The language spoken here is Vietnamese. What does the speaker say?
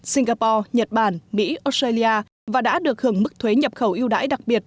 singapore nhật bản mỹ australia và đã được hưởng mức thuế nhập khẩu yêu đãi đặc biệt